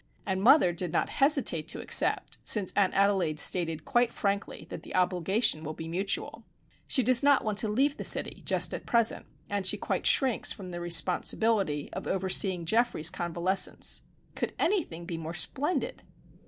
And mother did not hesitate to accept, since Aunt Adelaide stated quite frankly that the obligation will be mutual. She does not want to leave the city just at present, and she quite shrinks from the responsibility of overseeing Geoffrey's convalescence. Could anything be more splendid!